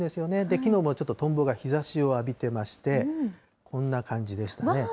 きのうもとんぼが日ざしを浴びてまして、こんな感じでしたね。